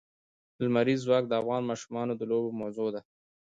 لمریز ځواک د افغان ماشومانو د لوبو موضوع ده.